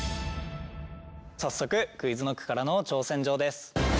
早速ＱｕｉｚＫｎｏｃｋからの挑戦状です。